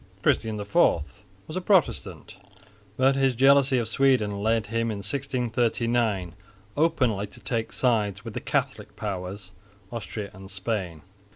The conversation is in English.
Christian IV was a Protestant, but his jealousy of Sweden led him in 1639 openly to take sides with the Catholic powers, Austria and Spain.